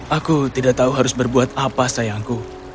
aku tidak tahu harus berbuat apa sayangku